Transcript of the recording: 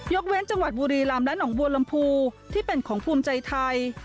เว้นจังหวัดบุรีลำและหนองบัวลำพูที่เป็นของภูมิใจไทย